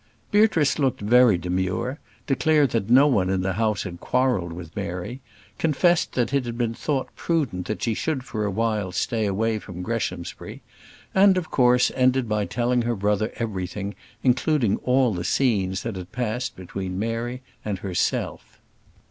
Beatrice looked very demure; declared that no one in the house had quarrelled with Mary; confessed that it had been thought prudent that she should for a while stay away from Greshamsbury; and, of course, ended by telling her brother everything, including all the scenes that had passed between Mary and herself.